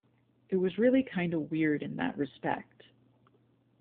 It was really kinda weird in that respect.